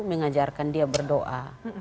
mengajarkan dia berdoa